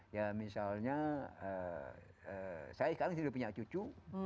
ya misalnya saya sekarang masih tidak punya cucu